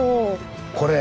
これ。